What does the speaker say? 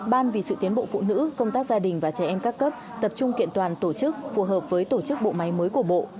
ban vì sự tiến bộ phụ nữ công tác gia đình và trẻ em các cấp tập trung kiện toàn tổ chức phù hợp với tổ chức bộ máy mới của bộ